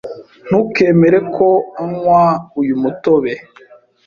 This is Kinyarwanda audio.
Ntukemere ko anywa uyu mutobe.